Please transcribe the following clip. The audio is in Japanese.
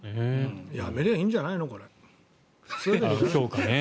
やめればいいんじゃないのかね。